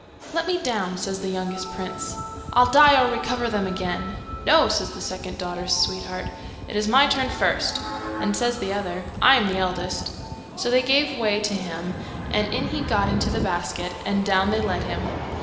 'Let me down,' says the youngest prince. 'I'll die or recover them again.' 'No,' says the second daughter's sweetheart, 'it is my turn first.' And says the other, 'I am the eldest.' So they gave way to him, and in he got into the basket, and down they let him.